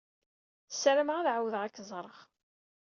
Sarameɣ ad ɛawdeɣ ad k-ẓreɣ.